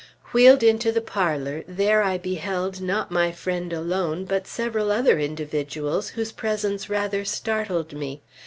Wheeled into the parlor, there I beheld not my friend alone, but several other individuals whose presence rather startled me.